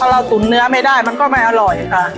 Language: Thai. เราตุ๋นเนื้อไม่ได้มันก็ไม่อร่อยค่ะ